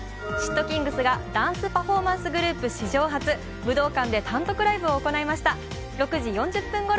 ｔｋｉｎｇｚがダンスパフォーマンスグループ史上初、武道館で単独ライブを行いました。